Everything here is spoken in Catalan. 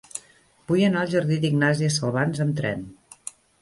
Vull anar al jardí d'Ignàsia Salvans amb tren.